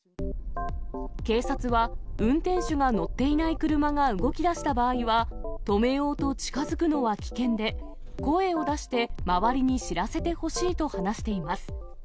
警察は、運転手が乗っていない車が動きだした場合は、止めようと近づくのは危険で、声を出して周りに知らせてほしいと話しています。